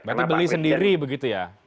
berarti beli sendiri begitu ya